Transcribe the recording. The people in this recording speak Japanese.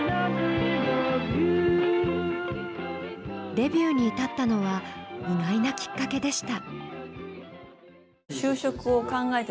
デビューに至ったのは意外なきっかけでした。